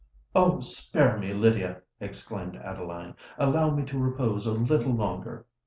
"Oh! spare me, Lydia," exclaimed Adeline; "allow me to repose a little longer.